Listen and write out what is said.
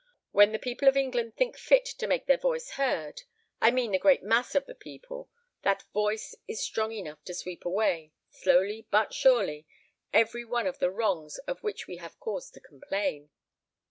When the people of England think fit to make their voice heard I mean the great mass of the people that voice is strong enough to sweep away, slowly but surely, every one of the wrongs of which we have cause to complain."